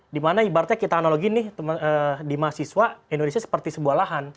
dimana ibaratnya kita analogi nih di mahasiswa indonesia seperti sebuah lahan